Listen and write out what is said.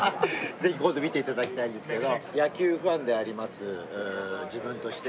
ぜひ今度見ていただきたいんですけど。